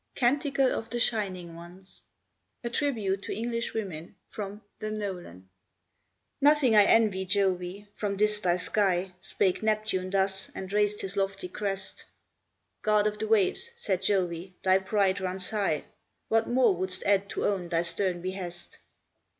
CANTICLE OF THE SHINING ONES A Tribute to English Women, from 'The Nolan' "Nothing I envy, Jove, from this thy sky," Spake Neptune thus, and raised his lofty crest. "God of the waves," said Jove, "thy pride runs high; What more wouldst add to own thy stern behest?"